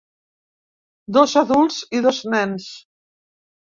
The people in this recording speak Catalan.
Dos adults i dos nens.